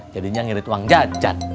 jadinya ngirit uang jajan